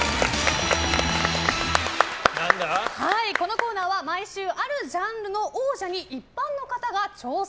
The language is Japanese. このコーナーは毎週、あるジャンルの王者に一般の方が挑戦。